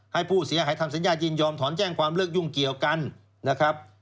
ให้ผู้เสียหายทำสัญญายินยอมถอนแจ้งความเลิกยุ่งเกี่ยวกันนะครับ